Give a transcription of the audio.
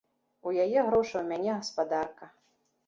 У яе грошы, у мяне гаспадарка.